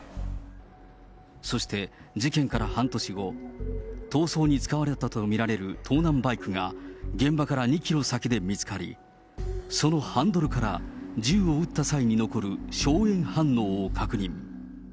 そして、事件から半年後、逃走に使われたとみられる盗難バイクが現場から２キロ先で見つかり、そのハンドルから、銃を撃った際に残る硝煙反応を確認。